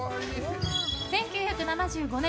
１９７５年